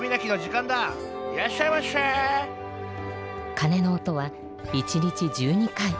かねの音は１日１２回。